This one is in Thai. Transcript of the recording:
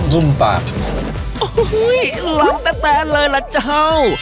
รุ่มปากโอ้โหหุ้ยรักแต่แตนเลยล่ะเจ้า